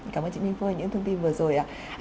cảm ơn chị minh phương những thông tin vừa rồi ạ